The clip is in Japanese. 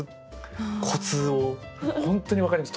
本当にわかります。